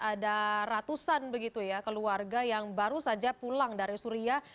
ada ratusan begitu ya keluarga yang baru saja pulang dari suria